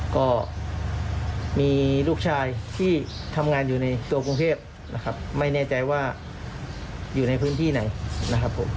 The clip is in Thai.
ก็มีลูกชายที่ทำงานอยู่ในตัวกรุงเทพนะครับไม่แน่ใจว่าอยู่ในพื้นที่ไหนนะครับผม